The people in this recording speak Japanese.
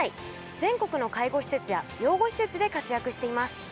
全国の介護施設や養護施設で活躍しています。